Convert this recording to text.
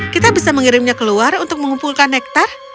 kita bisa mengirimnya keluar untuk mengumpulkan nektar